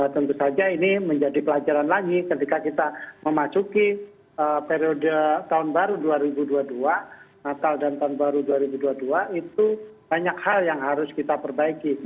tentu saja ini menjadi pelajaran lagi ketika kita memasuki periode tahun baru dua ribu dua puluh dua natal dan tahun baru dua ribu dua puluh dua itu banyak hal yang harus kita perbaiki